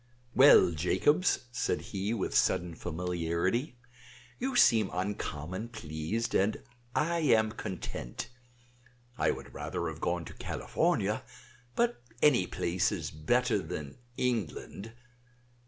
"Well, Jacobs," said he, with sudden familiarity, "you seem uncommon pleased, and I am content. I would rather have gone to California; but any place is better than England.